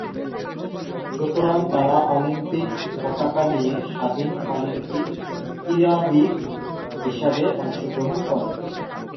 সুতরাং তারা অলিম্পিক পতাকা নিয়ে স্বাধীন অলিম্পিক ক্রীড়াবিদ হিসাবে অংশগ্রহণ করে।